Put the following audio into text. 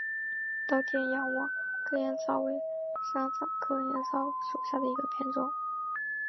稻田仰卧秆藨草为莎草科藨草属下的一个变种。